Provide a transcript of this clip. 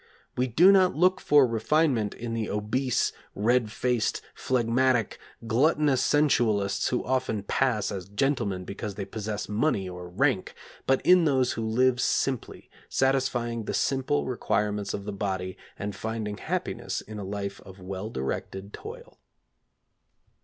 We do not look for refinement in the obese, red faced, phlegmatic, gluttonous sensualists who often pass as gentlemen because they possess money or rank, but in those who live simply, satisfying the simple requirements of the body, and finding happiness in a life of well directed toil.